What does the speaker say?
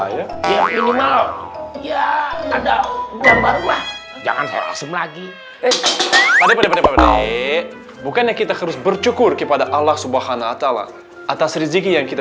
ya jangan lagi bukannya kita harus bercukur kepada allah subhanahu wa ta'ala atas riziki yang kita